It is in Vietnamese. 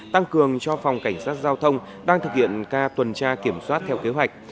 tăng cường cho phòng cảnh sát giao thông đang thực hiện ca tuần tra kiểm soát theo kế hoạch